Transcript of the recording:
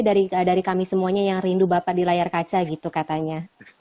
dari kami semuanya yang rindu bapak di layar kaca gitu katanya